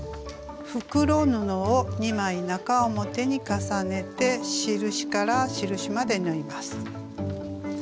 袋布を２枚中表に重ねて印から印まで縫います。